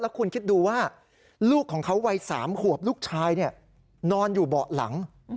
แล้วคุณคิดดูว่าลูกของเขาวัยสามขวบลูกชายเนี่ยนอนอยู่เบาะหลัง